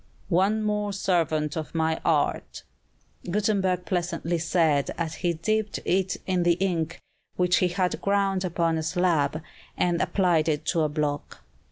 "One more servant of my art," Gutenberg pleasantly said as he dipped it in the ink which he had ground upon a slab, and applied it to a block.